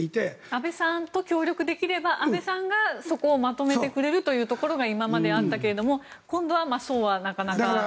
安倍さんと協力できれば安倍さんがそこをまとめてくれるというところが今まであったけれども今度はそうはなかなか。